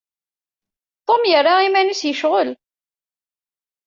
Tom yerra iman-is yecɣel.